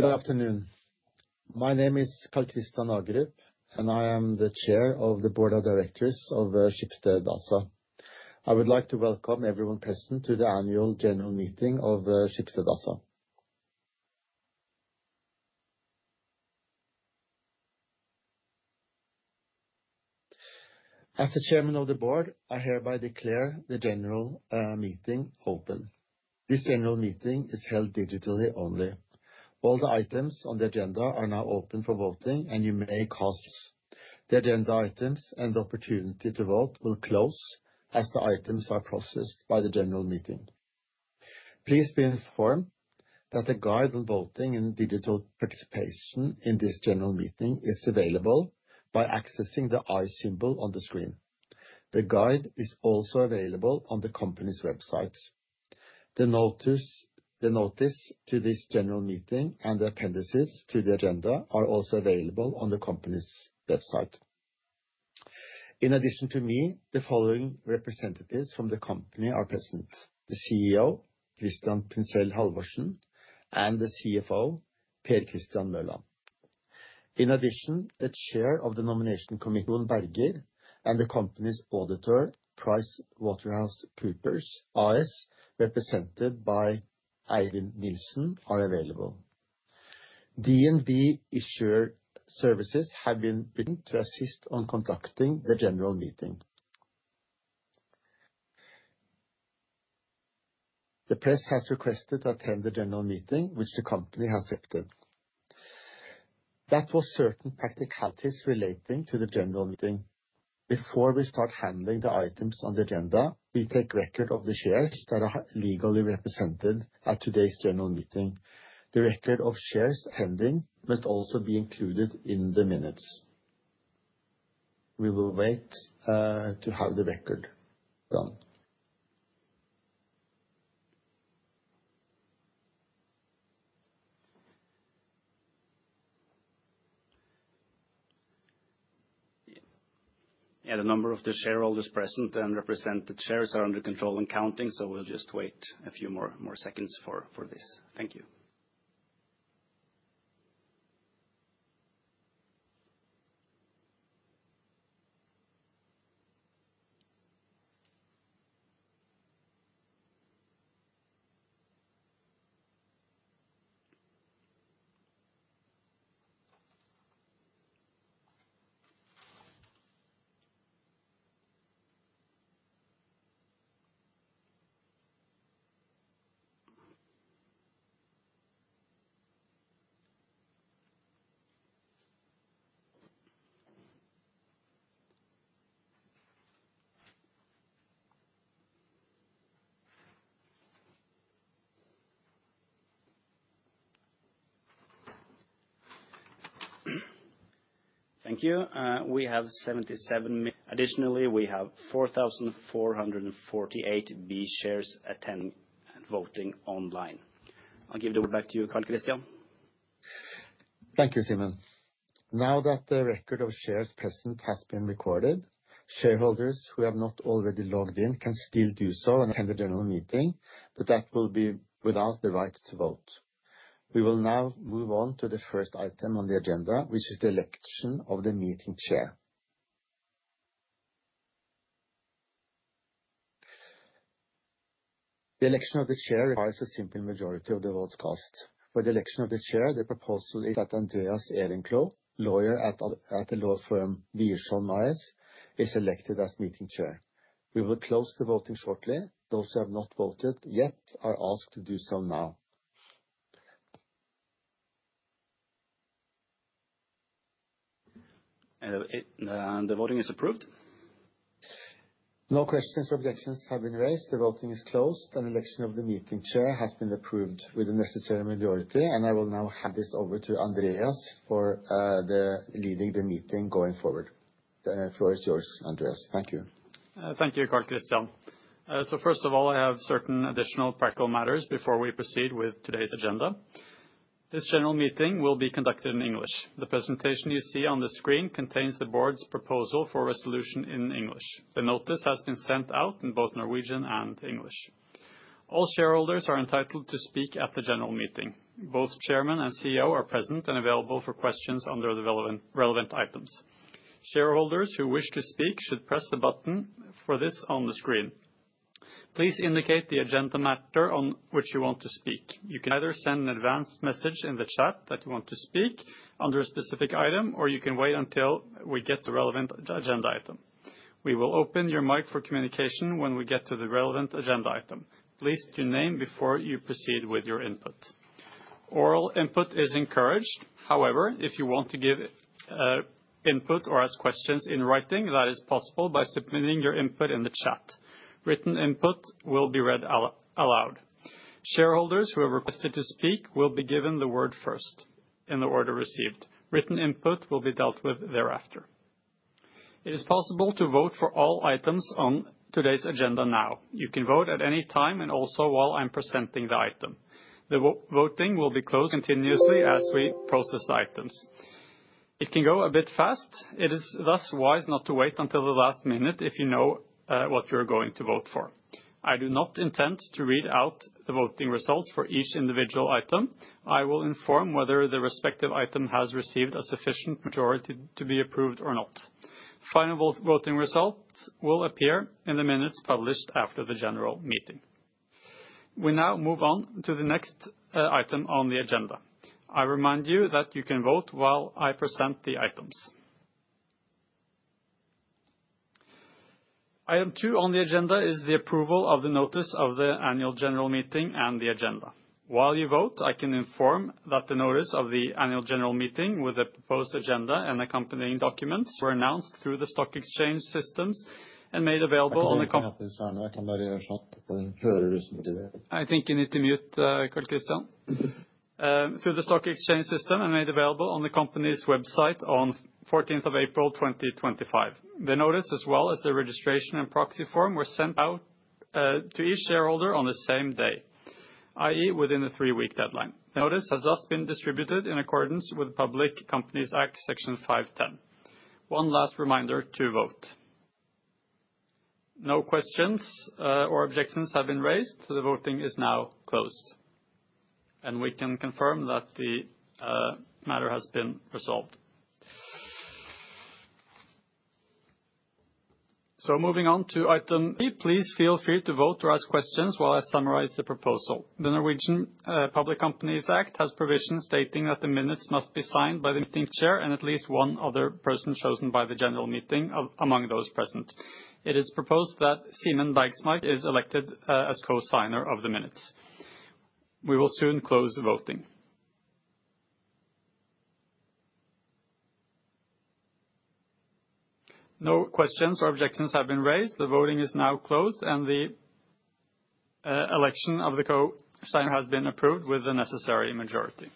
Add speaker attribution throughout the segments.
Speaker 1: Good afternoon. My name is Karl-Christian Agerup, and I am the chair of the board of directors of Schibsted ASA. I would like to welcome everyone present to the annual general meeting of Schibsted ASA. As the chairman of the board, I hereby declare the general meeting open. This general meeting is held digitally only. All the items on the agenda are now open for voting, and you may cast your votes. The agenda items and the opportunity to vote will close as the items are processed by the general meeting. Please be informed that a guide on voting and digital participation in this general meeting is available by accessing the eye symbol on the screen. The guide is also available on the company's website. The notice to this general meeting and the appendices to the agenda are also available on the company's website. In addition to me, the following representatives from the company are present: the CEO, Christian Printzell Halvorsen, and the CFO, Per Christian Møller. In addition, the chair of the nomination committee, Trond Berger, and the company's auditor, PricewaterhouseCoopers AS, represented by Eivind Nilsen, are available. DNB Issuer Services have been hired to assist in conducting the general meeting. The press has requested to attend the general meeting, which the company has accepted. That was certain practicalities relating to the general meeting. Before we start handling the items on the agenda, we take record of the shares that are legally represented at today's general meeting. The record of shares pending must also be included in the minutes. We will wait to have the record done.
Speaker 2: Yeah, the number of the shareholders present and represented shares are under control and counting, so we'll just wait a few more seconds for this. Thank you. Thank you. We have 77. Additionally, we have 4,448 B shares attending and voting online. I'll give the word back to you, Karl-Christian.
Speaker 1: Thank you, Simen. Now that the record of shares present has been recorded, shareholders who have not already logged in can still do so and attend the general meeting, but that will be without the right to vote. We will now move on to the first item on the agenda, which is the election of the meeting chair. The election of the chair requires a simple majority of the votes cast. For the election of the chair, the proposal is that Andreas Ehrenclou, lawyer at the law firm Wiersholm, is elected as meeting chair. We will close the voting shortly. Those who have not voted yet are asked to do so now.
Speaker 2: The voting is approved.
Speaker 1: No questions or objections have been raised. The voting is closed, and the election of the meeting chair has been approved with the necessary majority, and I will now hand this over to Andreas for leading the meeting going forward. The floor is yours, Andreas. Thank you.
Speaker 2: Thank you, Karl-Christian. So first of all, I have certain additional practical matters before we proceed with today's agenda. This general meeting will be conducted in English. The presentation you see on the screen contains the board's proposal for resolution in English. The notice has been sent out in both Norwegian and English. All shareholders are entitled to speak at the general meeting. Both Chairman and CEO are present and available for questions under the relevant items. Shareholders who wish to speak should press the button for this on the screen. Please indicate the agenda matter on which you want to speak. You can either send an advanced message in the chat that you want to speak under a specific item, or you can wait until we get the relevant agenda item. We will open your mic for communication when we get to the relevant agenda item. Please state your name before you proceed with your input. Oral input is encouraged. However, if you want to give input or ask questions in writing, that is possible by submitting your input in the chat. Written input will be read aloud. Shareholders who have requested to speak will be given the word first in the order received. Written input will be dealt with thereafter. It is possible to vote for all items on today's agenda now. You can vote at any time and also while I'm presenting the item. The voting will be closed continuously as we process the items. It can go a bit fast. It is thus wise not to wait until the last minute if you know what you're going to vote for. I do not intend to read out the voting results for each individual item. I will inform whether the respective item has received a sufficient majority to be approved or not. Final voting results will appear in the minutes published after the general meeting. We now move on to the next item on the agenda. I remind you that you can vote while I present the items. Item two on the agenda is the approval of the notice of the annual general meeting and the agenda. While you vote, I can inform that the notice of the annual general meeting with the proposed agenda and accompanying documents were announced through the stock exchange systems and made available on the company. I think you need to mute, Karl-Christian, and made available on the company's website on the 14th of April 2025. The notice, as well as the registration and proxy form, were sent out to each shareholder on the same day, i.e., within a three-week deadline. The notice has thus been distributed in accordance with Public Companies Act, Section 510. One last reminder to vote. No questions or objections have been raised. The voting is now closed, and we can confirm that the matter has been resolved. So moving on to item three, please feel free to vote or ask questions while I summarize the proposal. The Norwegian Public Companies Act has provisions stating that the minutes must be signed by the meeting chair and at least one other person chosen by the general meeting among those present. It is proposed that Simen Bergsmark is elected as co-signer of the minutes. We will soon close the voting. No questions or objections have been raised. The voting is now closed, and the election of the co-signer has been approved with the necessary majority.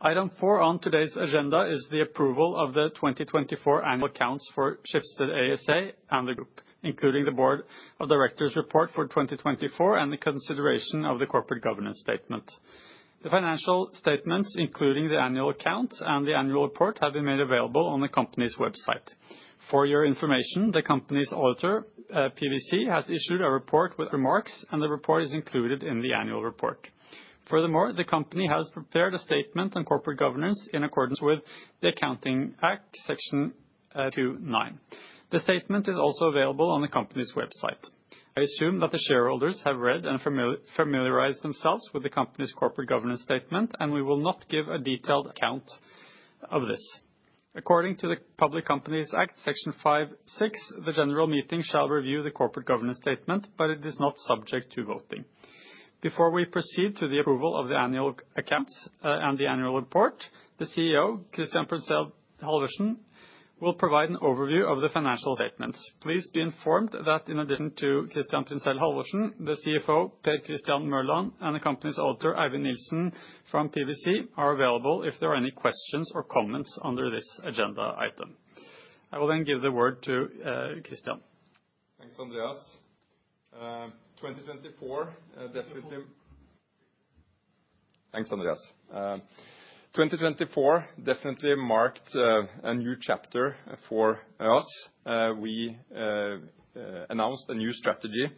Speaker 2: Item four on today's agenda is the approval of the 2024 annual accounts for Schibsted ASA and the group, including the board of directors' report for 2024 and the consideration of the corporate governance statement. The financial statements, including the annual accounts and the annual report, have been made available on the company's website. For your information, the company's auditor, PwC, has issued a report with remarks, and the report is included in the annual report. Furthermore, the company has prepared a statement on corporate governance in accordance with the Accounting Act, Section 29. The statement is also available on the company's website. I assume that the shareholders have read and familiarized themselves with the company's corporate governance statement, and we will not give a detailed account of this. According to the Public Companies Act, Section 56, the general meeting shall review the corporate governance statement, but it is not subject to voting. Before we proceed to the approval of the annual accounts and the annual report, the CEO, Christian Printzell Halvorsen, will provide an overview of the financial statements. Please be informed that in addition to Christian Printzell Halvorsen, the CFO, Per Christian Møller, and the company's auditor, Eivind Nilsen from PwC, are available if there are any questions or comments under this agenda item. I will then give the word to Christian.
Speaker 3: Thanks, Andreas. 2024 definitely marked a new chapter for us. We announced a new strategy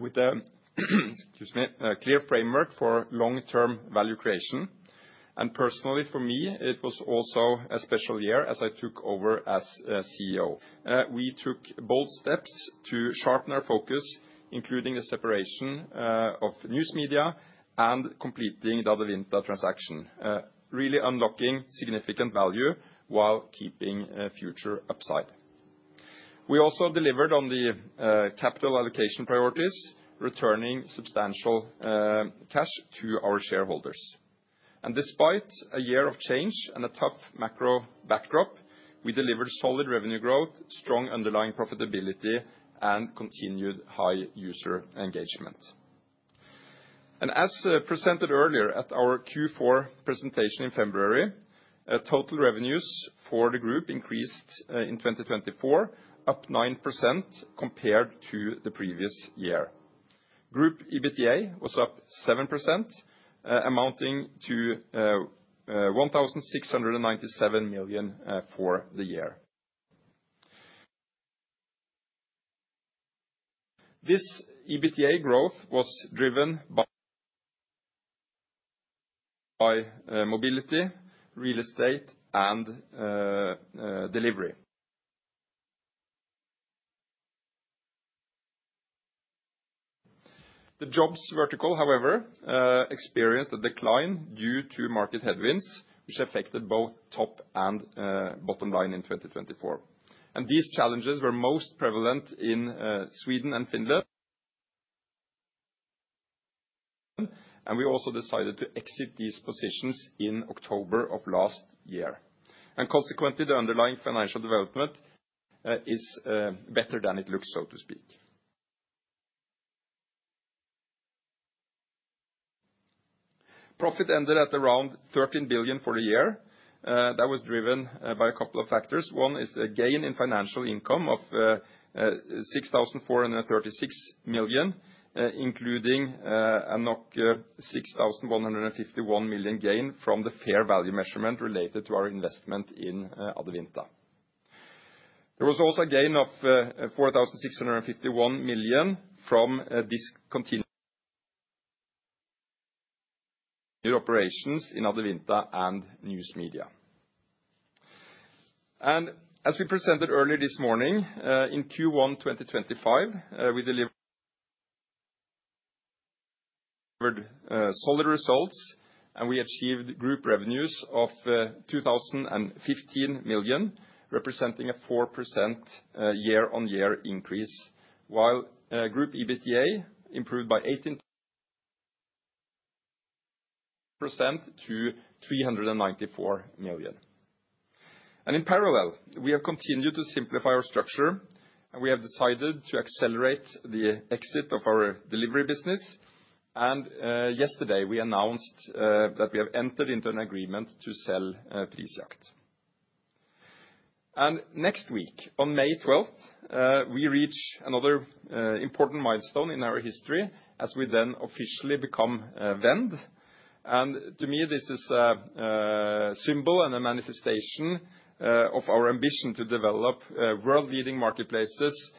Speaker 3: with a clear framework for long-term value creation, and personally, for me, it was also a special year as I took over as CEO. We took bold steps to sharpen our focus, including the separation of news media and completing the Adevinta transaction, really unlocking significant value while keeping future upside. We also delivered on the capital allocation priorities, returning substantial cash to our shareholders, and despite a year of change and a tough macro backdrop, we delivered solid revenue growth, strong underlying profitability, and continued high user engagement, and as presented earlier at our Q4 presentation in February, total revenues for the group increased in 2024, up 9% compared to the previous year. Group EBITDA was up 7%, amounting to 1,697 million for the year. This EBITDA growth was driven by mobility, real estate, and delivery. The jobs vertical, however, experienced a decline due to market headwinds, which affected both top and bottom line in 2024, and these challenges were most prevalent in Sweden and Finland, and we also decided to exit these positions in October of last year, and consequently, the underlying financial development is better than it looks, so to speak. Profit ended at around 13 billion for the year. That was driven by a couple of factors. One is a gain in financial income of 6,436 million, including a 6,151 million gain from the fair value measurement related to our investment in Adevinta. There was also a gain of 4,651 million from discontinued operations in Adevinta and news media. As we presented earlier this morning, in Q1 2025, we delivered solid results, and we achieved group revenues of 2,015 million, representing a 4% year-on-year increase, while group EBITDA improved by 18% to 394 million. In parallel, we have continued to simplify our structure, and we have decided to accelerate the exit of our delivery business. Yesterday, we announced that we have entered into an agreement to sell Prisjakt. Next week, on May 12th, we reach another important milestone in our history as we then officially become Vend. To me, this is a symbol and a manifestation of our ambition to develop world-leading marketplaces,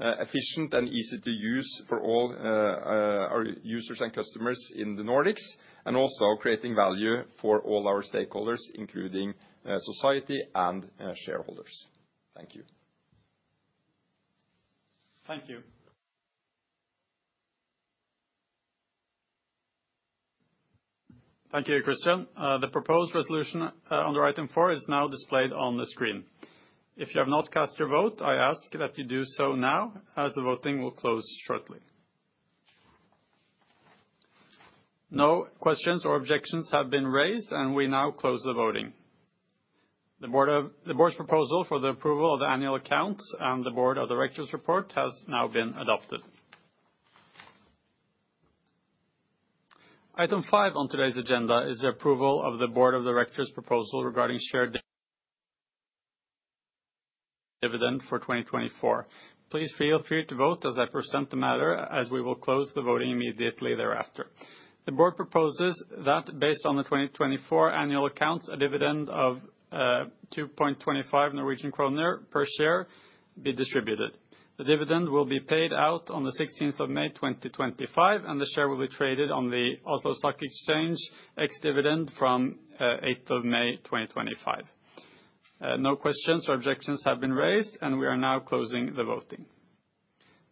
Speaker 3: efficient and easy to use for all our users and customers in the Nordics, and also creating value for all our stakeholders, including society and shareholders. Thank you.
Speaker 2: Thank you. Thank you, Christian. The proposed resolution under item four is now displayed on the screen. If you have not cast your vote, I ask that you do so now as the voting will close shortly. No questions or objections have been raised, and we now close the voting. The board's proposal for the approval of the annual accounts and the board of directors' report has now been adopted. Item five on today's agenda is the approval of the board of directors' proposal regarding share dividend for 2024. Please feel free to vote as I present the matter as we will close the voting immediately thereafter. The board proposes that based on the 2024 annual accounts, a dividend of 2.25 Norwegian kroner per share be distributed. The dividend will be paid out on the 16th of May 2025, and the share will be traded on the Oslo Stock Exchange ex-dividend from 8th of May 2025. No questions or objections have been raised, and we are now closing the voting.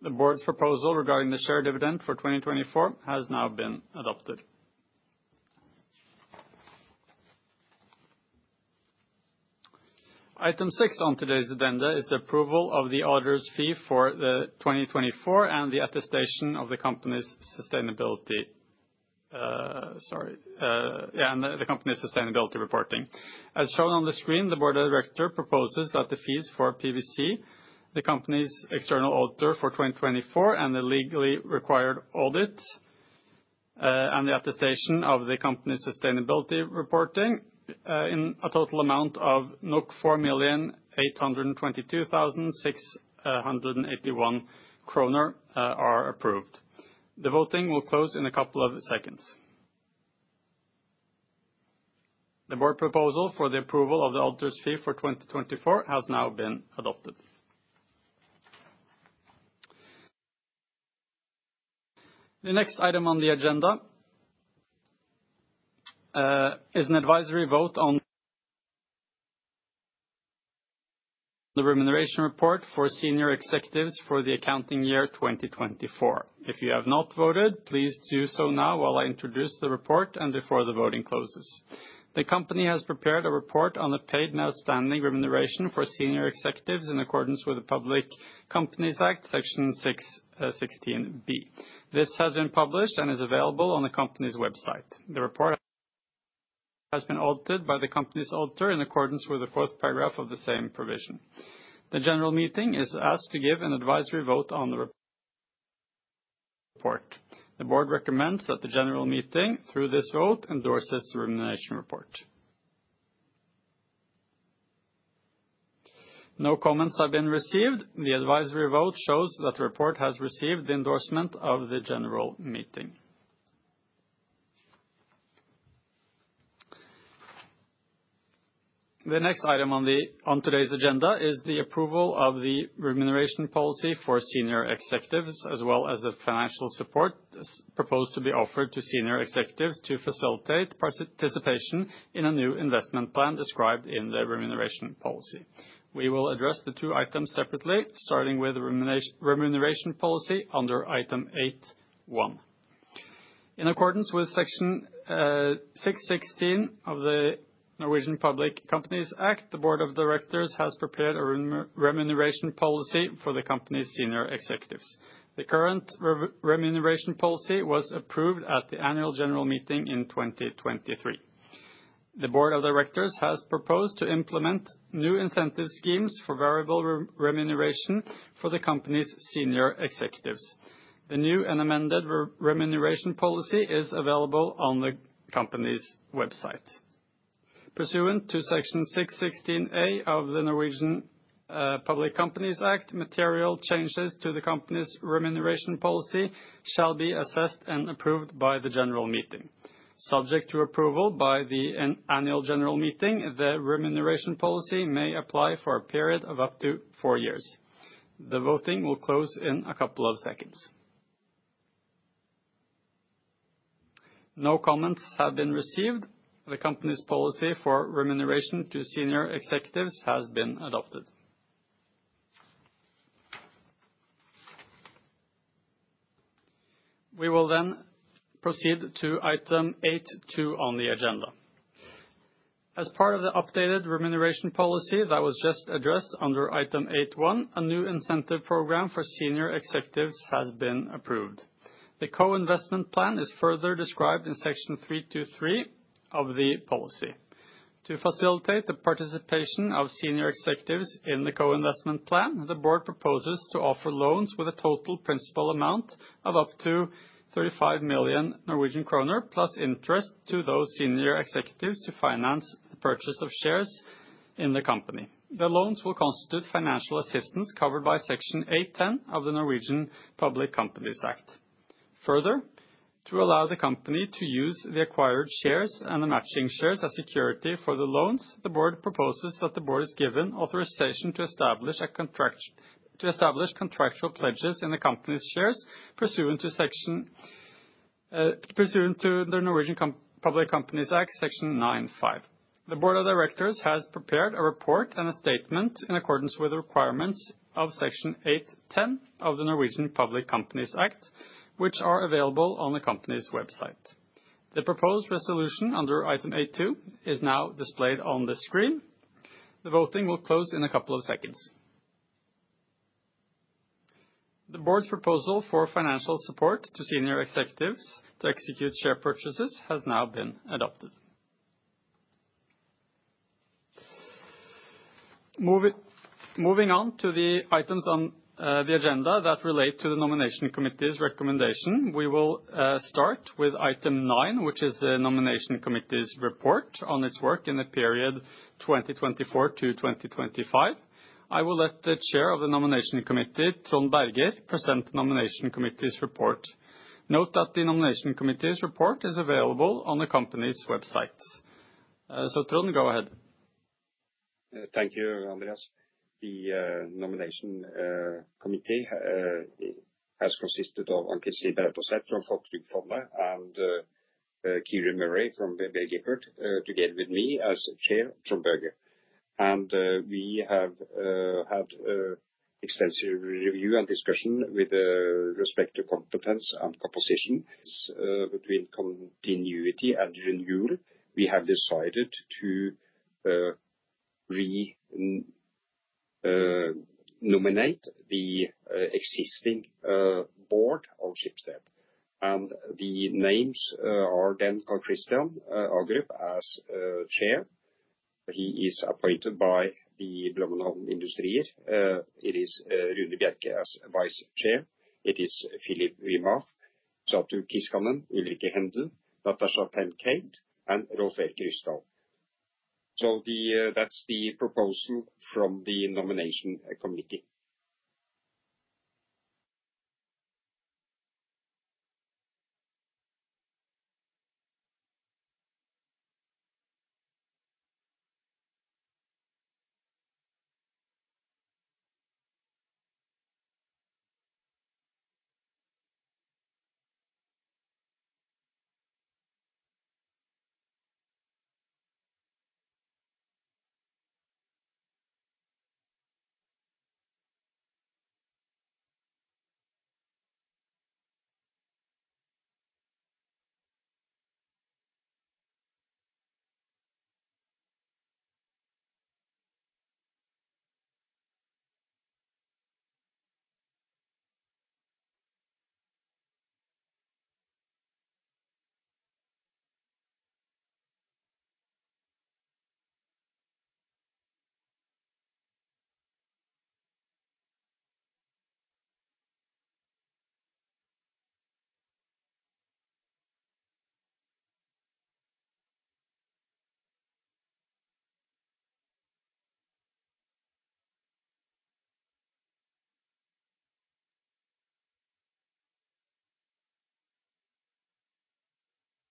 Speaker 2: The board's proposal regarding the shared dividend for 2024 has now been adopted. Item six on today's agenda is the approval of the auditor's fee for the 2024 and the attestation of the company's sustainability. Sorry. Yeah, and the company's sustainability reporting. As shown on the screen, the board of directors proposes that the fees for PwC, the company's external auditor for 2024, and the legally required audit and the attestation of the company's sustainability reporting in a total amount of 4,822,681 kroner are approved. The voting will close in a couple of seconds. The board proposal for the approval of the auditor's fee for 2024 has now been adopted. The next item on the agenda is an advisory vote on the remuneration report for senior executives for the accounting year 2024. If you have not voted, please do so now while I introduce the report and before the voting closes. The company has prepared a report on the paid and outstanding remuneration for senior executives in accordance with the Public Companies Act, Section 616B. This has been published and is available on the company's website. The report has been audited by the company's auditor in accordance with the fourth paragraph of the same provision. The general meeting is asked to give an advisory vote on the report. The board recommends that the general meeting, through this vote, endorses the remuneration report. No comments have been received. The advisory vote shows that the report has received the endorsement of the general meeting. The next item on today's agenda is the approval of the remuneration policy for senior executives, as well as the financial support proposed to be offered to senior executives to facilitate participation in a new investment plan described in the remuneration policy. We will address the two items separately, starting with the remuneration policy under item 8.1. In accordance with Section 6-16 of the Public Limited Liability Companies Act, the Board of Directors has prepared a remuneration policy for the company's senior executives. The current remuneration policy was approved at the Annual General Meeting in 2023. The Board of Directors has proposed to implement new incentive schemes for variable remuneration for the company's senior executives. The new and amended remuneration policy is available on the company's website. Pursuant to Section 616A of the Public Limited Liability Companies Act, material changes to the company's remuneration policy shall be assessed and approved by the general meeting. Subject to approval by the annual general meeting, the remuneration policy may apply for a period of up to four years. The voting will close in a couple of seconds. No comments have been received. The company's policy for remuneration to senior executives has been adopted. We will then proceed to item 8.2 on the agenda. As part of the updated remuneration policy that was just addressed under item 8.1, a new incentive program for senior executives has been approved. The co-investment plan is further described in Section 3.2.3 of the policy. To facilitate the participation of senior executives in the co-investment plan, the board proposes to offer loans with a total principal amount of up to 35 million Norwegian kroner plus interest to those senior executives to finance the purchase of shares in the company. The loans will constitute financial assistance covered by Section 8.10 of the Norwegian Public Companies Act. Further, to allow the company to use the acquired shares and the matching shares as security for the loans, the board proposes that the board is given authorization to establish contractual pledges in the company's shares pursuant to the Norwegian Public Companies Act, Section 9.5. The board of directors has prepared a report and a statement in accordance with the requirements of Section 8.10 of the Norwegian Public Companies Act, which are available on the company's website. The proposed resolution under item 8.2 is now displayed on the screen. The voting will close in a couple of seconds. The board's proposal for financial support to senior executives to execute share purchases has now been adopted. Moving on to the items on the agenda that relate to the nomination committee's recommendation, we will start with item 9, which is the nomination committee's report on its work in the period 2024 to 2025. I will let the chair of the nomination committee, Trond Berger, present the nomination committee's report. Note that the nomination committee's report is available on the company's website. So, Trond, go ahead.
Speaker 4: Thank you, Andreas. The nomination committee has consisted of, as I said, from Folketrygdfondet and Kjersti Høklingen from [inaudibletogether with me as chair, Trond Berger, and we have had extensive review and discussion with respect to competence and composition. Between continuity and renewal, we have decided to re-nominate the existing board of Schibsted, and the names are then Karl-Christian Agerup as chair. He is appointed by the Blommenholm Industrier. It is Rune Bjerke as vice chair. It is Philippe Vimard, Satu Kiiskinen, Ulrike Handel, Natasha Ten-Cate, and Rolv Erik Ryssdal, so that's the proposal from the nomination committee.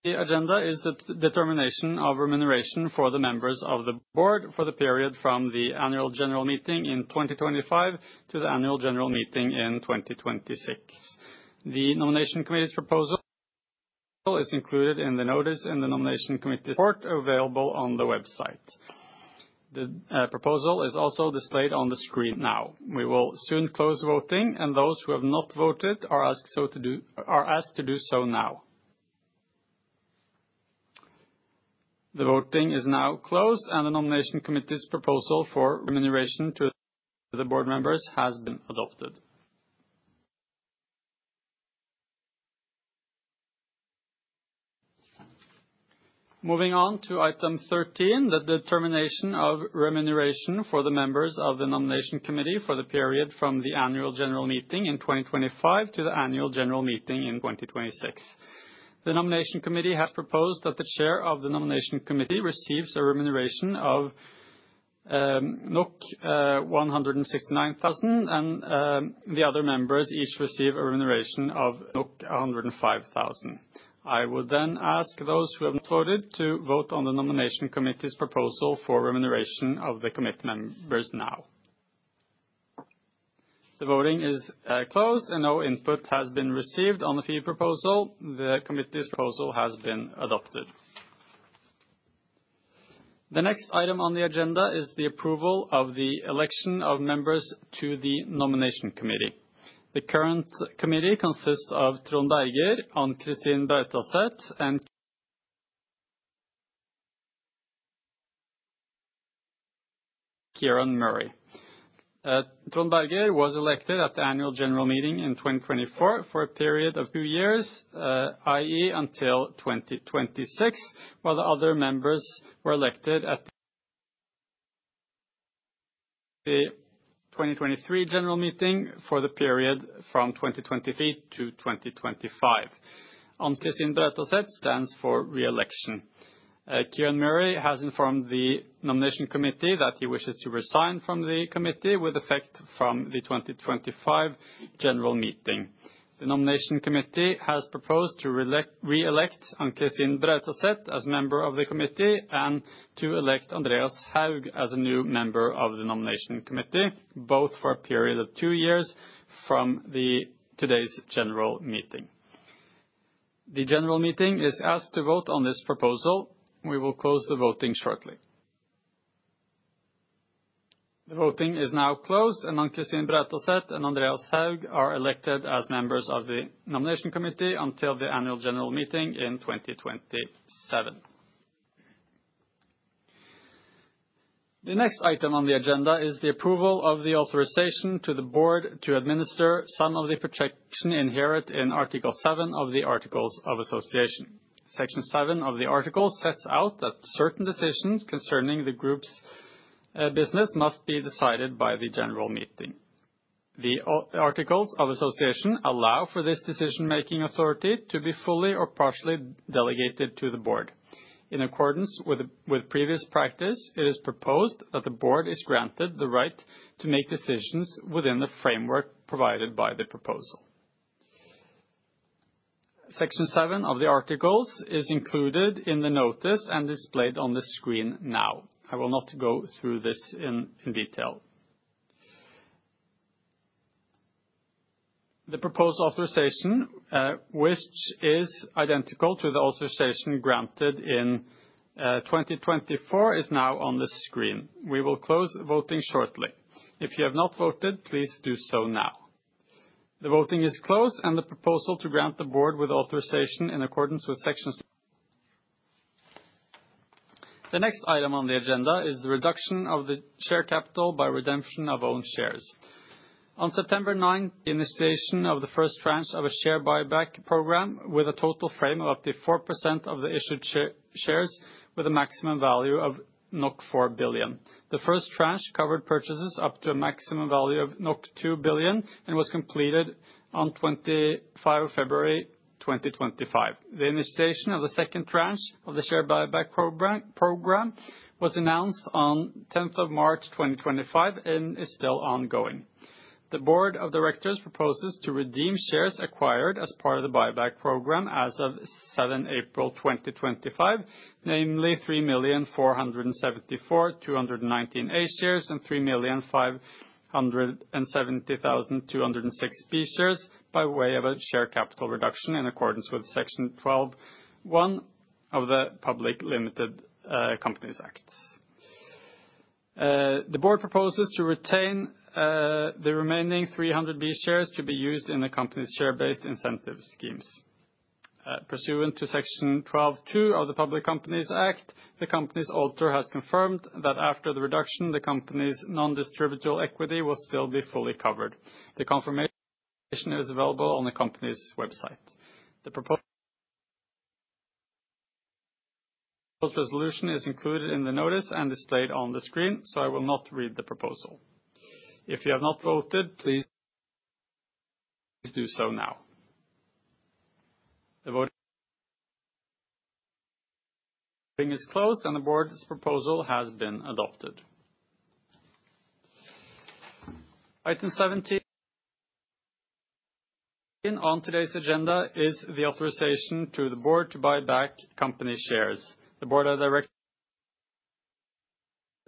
Speaker 2: The agenda is the determination of remuneration for the members of the board for the period from the annual general meeting in 2025 to the annual general meeting in 2026. The nomination committee's proposal is included in the notice in the nomination committee's report available on the website. The proposal is also displayed on the screen now. We will soon close the voting, and those who have not voted are asked to do so now. The voting is now closed, and the nomination committee's proposal for remuneration to the board members has been adopted. Moving on to item 13, the determination of remuneration for the members of the nomination committee for the period from the annual general meeting in 2025 to the annual general meeting in 2026. The nomination committee has proposed that the chair of the nomination committee receives a remuneration of 169,000, and the other members each receive a remuneration of 105,000. I would then ask those who have not voted to vote on the nomination committee's proposal for remuneration of the committee members now. The voting is closed, and no input has been received on the fee proposal. The committee's proposal has been adopted. The next item on the agenda is the approval of the election of members to the nomination committee. The current committee consists of Trond Berger, Ann Kristin Brautaset, and Kjersti Høklingen. Trond Berger was elected at the annual general meeting in 2024 for a period of two years, i.e., until 2026, while the other members were elected at the 2023 general meeting for the period from 2023 to 2025. Ann Kristin Brautaset stands for re-election. Kjersti Høklingen has informed the nomination committee that he wishes to resign from the committee with effect from the 2025 general meeting. The nomination committee has proposed to re-elect Ann Kristin Brautaset as member of the committee and to elect Andreas Haug as a new member of the nomination committee, both for a period of two years from today's general meeting. The general meeting is asked to vote on this proposal. We will close the voting shortly. The voting is now closed, and Ann Kristin Brautaset and Andreas Haug are elected as members of the nomination committee until the annual general meeting in 2027. The next item on the agenda is the approval of the authorization to the board to administer some of the protection inherent in Article 7 of the Articles of Association. Section 7 of the article sets out that certain decisions concerning the group's business must be decided by the general meeting. The Articles of Association allow for this decision-making authority to be fully or partially delegated to the board. In accordance with previous practice, it is proposed that the board is granted the right to make decisions within the framework provided by the proposal. Section 7 of the articles is included in the notice and displayed on the screen now. I will not go through this in detail. The proposed authorization, which is identical to the authorization granted in 2024, is now on the screen. We will close the voting shortly. If you have not voted, please do so now. The voting is closed, and the proposal to grant the board with authorization in accordance with Section 7. The next item on the agenda is the reduction of the share capital by redemption of own shares. On September 9, initiation of the first tranche of a share buyback program with a total frame of up to 4% of the issued shares with a maximum value of 4 billion. The first tranche covered purchases up to a maximum value of 2 billion and was completed on February 25, 2025. The initiation of the second tranche of the share buyback program was announced on March 10, 2025, and is still ongoing. The Board of Directors proposes to redeem shares acquired as part of the buyback program as of April 7, 2025, namely 3,474,219 A shares and 3,570,206 B shares by way of a share capital reduction in accordance with Section 12.1 of the Public Limited Liability Companies Act. The Board proposes to retain the remaining 300 B shares to be used in the company's share-based incentive schemes. Pursuant to Section 12.2 of the Public Limited Liability Companies Act, the company's auditor has confirmed that after the reduction, the company's non-distributable equity will still be fully covered. The confirmation is available on the company's website. The proposed resolution is included in the notice and displayed on the screen, so I will not read the proposal. If you have not voted, please do so now. The voting is closed, and the Board's proposal has been adopted. Item 17 on today's agenda is the authorization to the board to buy back company shares. The board of directors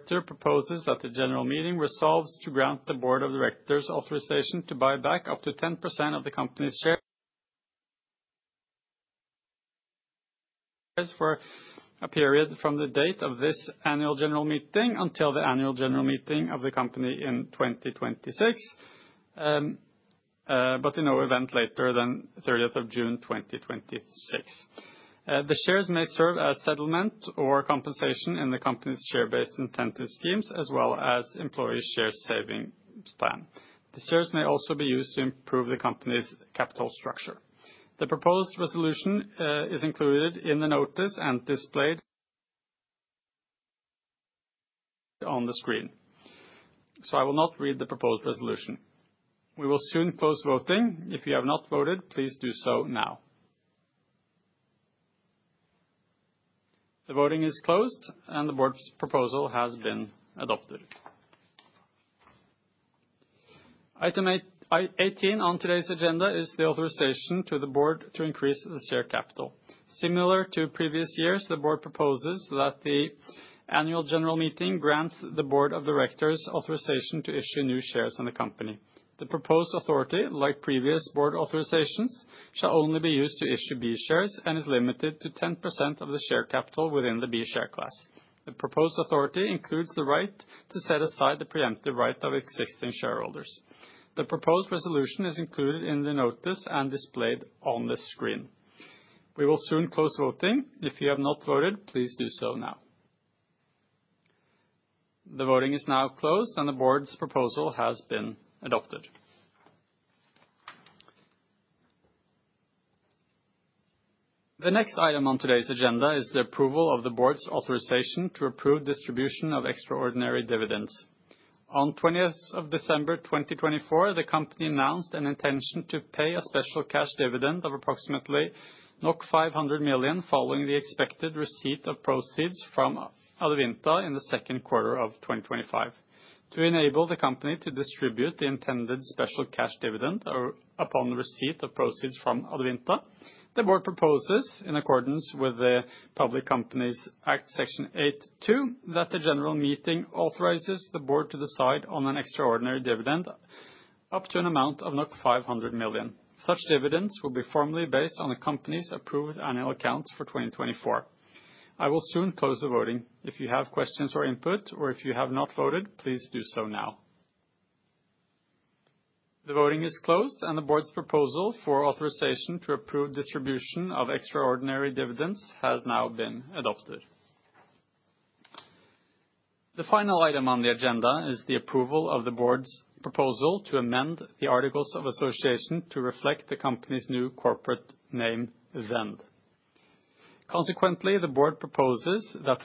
Speaker 2: proposes that the general meeting resolves to grant the board of directors authorization to buy back up to 10% of the company's shares for a period from the date of this annual general meeting until the annual general meeting of the company in 2026, but in no event later than June 30, 2026. The shares may serve as settlement or compensation in the company's share-based incentive schemes, as well as employee share savings plan. The shares may also be used to improve the company's capital structure. The proposed resolution is included in the notice and displayed on the screen. So I will not read the proposed resolution. We will soon close the voting. If you have not voted, please do so now. The voting is closed, and the board's proposal has been adopted. Item 18 on today's agenda is the authorization to the board to increase the share capital. Similar to previous years, the board proposes that the annual general meeting grants the board of directors authorization to issue new shares in the company. The proposed authority, like previous board authorizations, shall only be used to issue B shares and is limited to 10% of the share capital within the B share class. The proposed authority includes the right to set aside the preemptive right of existing shareholders. The proposed resolution is included in the notice and displayed on the screen. We will soon close the voting. If you have not voted, please do so now. The voting is now closed, and the board's proposal has been adopted. The next item on today's agenda is the approval of the board's authorization to approve distribution of extraordinary dividends. On December 20, 2024, the company announced an intention to pay a special cash dividend of approximately NOK 500 million following the expected receipt of proceeds from Adevinta in the second quarter of 2025. To enable the company to distribute the intended special cash dividend upon receipt of proceeds from Adevinta, the board proposes, in accordance with the Public Companies Act, Section 8.2, that the general meeting authorizes the board to decide on an extraordinary dividend up to an amount of 500 million. Such dividends will be formally based on the company's approved annual accounts for 2024. I will soon close the voting. If you have questions or input, or if you have not voted, please do so now. The voting is closed, and the board's proposal for authorization to approve distribution of extraordinary dividends has now been adopted. The final item on the agenda is the approval of the board's proposal to amend the Articles of Association to reflect the company's new corporate name, Vend. Consequently, the board proposes that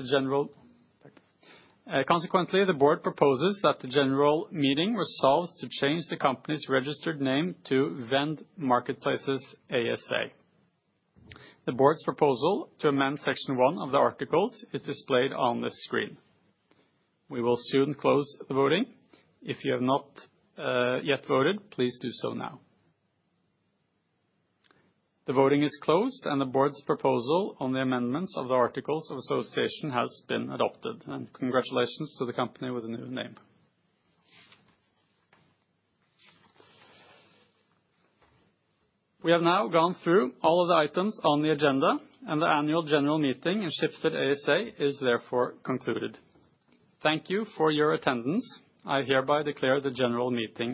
Speaker 2: the general meeting resolves to change the company's registered name to Vend Marketplaces ASA. The board's proposal to amend Section 1 of the articles is displayed on the screen. We will soon close the voting. If you have not yet voted, please do so now. The voting is closed, and the board's proposal on the amendments of the Articles of Association has been adopted. And congratulations to the company with a new name. We have now gone through all of the items on the agenda, and the annual general meeting in Schibsted ASA is therefore concluded. Thank you for your attendance. I hereby declare the general meeting.